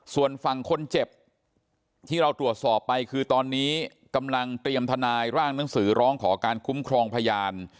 ส่วนฝั่งคนเจ็บที่เราตรวจสอบไปคือตอนนี้กำลังเตรียมทนายร่างหนังสือร้องขอการคุ้มครองพยาน